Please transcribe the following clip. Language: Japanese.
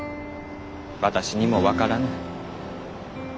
私にも分からぬ。